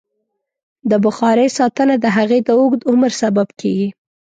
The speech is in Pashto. د بخارۍ ساتنه د هغې د اوږد عمر سبب کېږي.